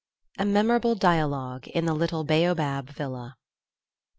A memorable Dialogue in the little Baobab Villa.